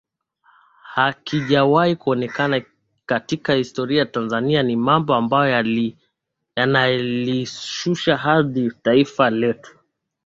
hakijawahi kuonekana katika historia ya Tanzania ni mambo ambayo yanalishushia hadhi taifa letu